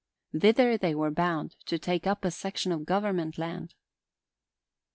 Thither they were bound to take up a section of government land.